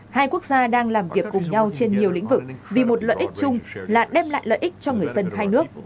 hai quốc gia đang làm việc cùng nhau trên nhiều lĩnh vực vì một lợi ích chung là đem lại lợi ích cho người dân hai nước